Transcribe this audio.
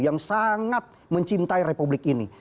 yang sangat mencintai republik ini